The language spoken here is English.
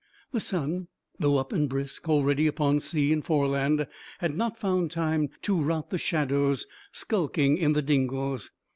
The sun, though up and brisk already upon sea and foreland, had not found time to rout the shadows skulking in the dingles.